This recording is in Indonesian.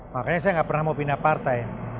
makanya saya nggak pernah mau pindah partai